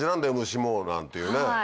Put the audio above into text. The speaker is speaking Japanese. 虫もなんていうね。